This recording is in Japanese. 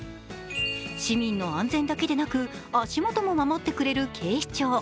市民の安全だけでなく足元も守ってくれる警視庁。